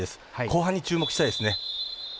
後半に注目したいですね。